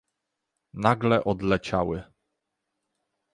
Nagle odleciały